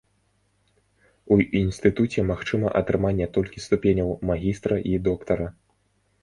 У інстытуце магчыма атрыманне толькі ступеняў магістра і доктара.